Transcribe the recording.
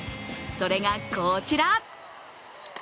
それがこちら。